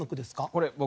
これ僕。